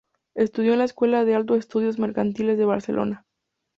Estudió en la Escuela de Altos Estudios Mercantiles de Barcelona.